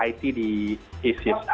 it di isis